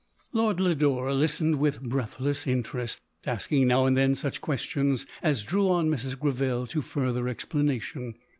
"" LODORE. 225 Lord Lodore listened with breathless interest, asking now and then such questions as drew on Mrs. Greville to further explanation.